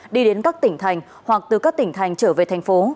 đi đến các tỉnh thành hoặc từ các tỉnh thành trở về thành phố